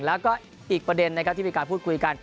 แล้วก็อีกประเด็นนะครับที่มีการพูดคุยกัน